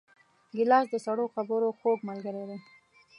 ګیلاس د سړو خبرو خوږ ملګری دی.